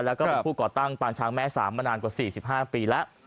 แล้วก็เป็นผู้ก่อตั้งปางช้างแม่สามมานานกว่า๔๕ปีแล้ว